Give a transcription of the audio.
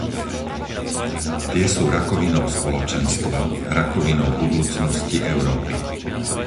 Tie sú rakovinou spoločenstva, rakovinou budúcnosti Európy.